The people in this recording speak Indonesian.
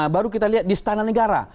baru kita lihat di istana negara